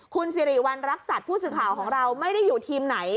คุณสิริวัณรักษัตริย์ผู้สื่อข่าวของเราไม่ได้อยู่ทีมไหน